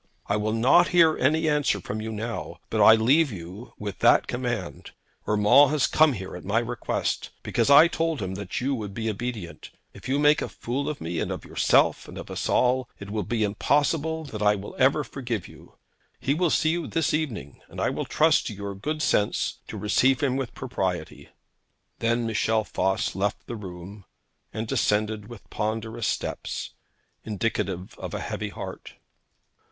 I will not hear any answer from you now, but I leave you with that command. Urmand has come here at my request, because I told him that you would be obedient. If you make a fool of me, and of yourself, and of us all, it will be impossible that I should forgive you. He will see you this evening, and I will trust to your good sense to receive him with propriety.' Then Michel Voss left the room and descended with ponderous steps, indicative of a heavy heart.